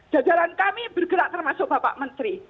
jajaran kami bergerak termasuk bapak menteri